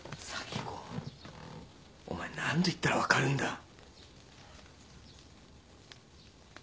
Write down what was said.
早季子お前何度言ったら分かるんだ。